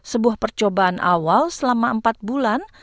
sebuah percobaan awal selama empat bulan